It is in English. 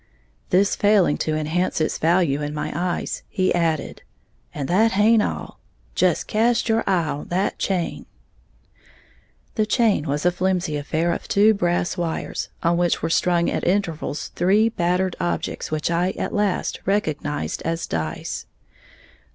This failing to enhance its value in my eyes, he added, "And that haint all, just cast your eye on that chain!" The chain was a flimsy affair of two brass wires, on which were strung at intervals three battered objects which I at last recognized as dice.